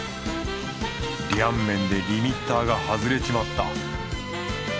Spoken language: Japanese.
リャンメンでリミッターが外れちまった。